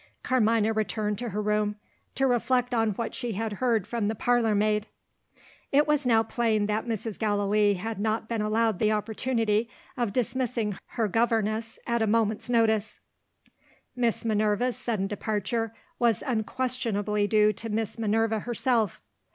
Carmina returned to her room to reflect on what she had heard from the parlour maid. It was now plain that Mrs. Gallilee had not been allowed the opportunity of dismissing her governess at a moment's notice: Miss Minerva's sudden departure was unquestionably due to Miss Minerva herself.